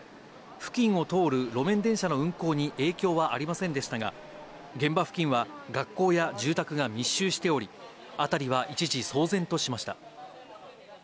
付近を通る路面電車の運行に影響はありませんでしたが、現場付近は学校や住宅が密集しており、辺りは一時騒然としました。